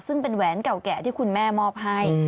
ซึ่งเป็นแหวนเก่าแก่ที่คุณแม่มอบให้